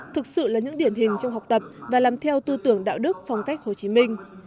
thực sự là những điển hình trong học tập và làm theo tư tưởng đạo đức phong cách hồ chí minh